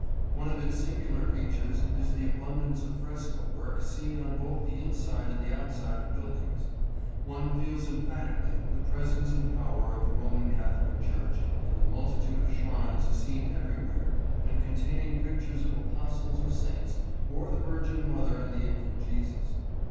One of its singular features is the abundance of fresco work seen on both the inside and the outside of buildings. One feels emphatically the presence and power of the Roman Catholic Church in the multitude of shrines seen everywhere and contain ing pictures of apostles or saints, or the Virgin Mother and the infant Jesus.